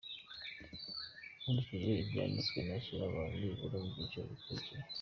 Nkurikije ibyandikwa nashyira abantu nibura mu byiciro bikurikira :